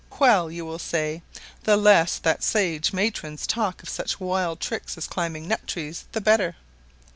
"Well," you will say, "the less that sage matrons talk of such wild tricks as climbing nut trees, the better."